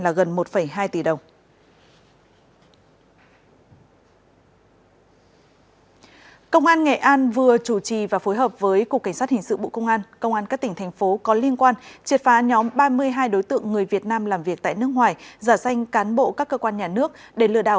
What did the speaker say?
làm việc tại nước ngoài giả danh cán bộ các cơ quan nhà nước để lừa đảo